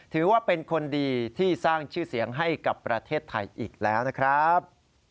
ถือว่าเป็นคนดีที่สร้างชื่อเสียงให้กับประเทศไทยอีกแล้วนะครับ